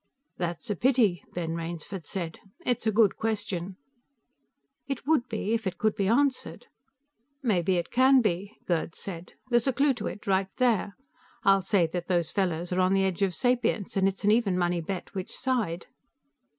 "That's a pity," Ben Rainsford said. "It's a good question." "It would be if it could be answered." "Maybe it can be," Gerd said. "There's a clue to it, right there. I'll say that those fellows are on the edge of sapience, and it's an even money bet which side."